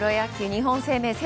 日本生命セ